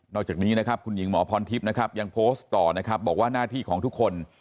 นอกจากนี้คุณหญิงหมอพรทิพย์ยังโพสต์ต่อบอกว่าหน้าที่ของทุกคน